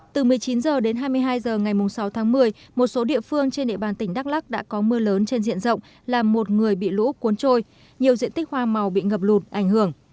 từ một mươi chín h đến hai mươi hai h ngày sáu tháng một mươi một số địa phương trên địa bàn tỉnh đắk lắc đã có mưa lớn trên diện rộng làm một người bị lũ cuốn trôi nhiều diện tích hoa màu bị ngập lụt ảnh hưởng